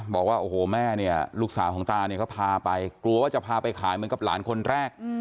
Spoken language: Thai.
บอกว่าโอ้โหแม่ลูกสาวของต้าพาไปกลัวว่าจะพาไปขายเหมือนกับร้านคนแรก